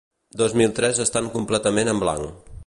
Dos mil tres estan completament en blanc.